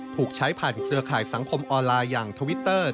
ถูกใช้ผ่านเครือข่ายสังคมออนไลน์อย่างทวิตเตอร์